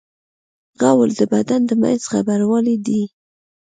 غول د بدن د منځ خبروالی دی.